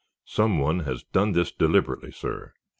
Someone has done this deliberately, sir.